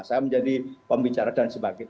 saya menjadi pembicara dan sebagainya